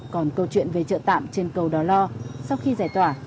còn câu chuyện về trợ tạm trên cầu đó lo sau khi giải tỏa